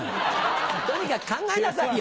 とにかく考えなさいよ！